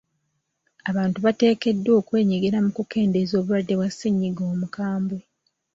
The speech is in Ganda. Abantu bateekeddwa okwenyigira mu kukendeeza obulwadde bwa ssennyiga omukambwe.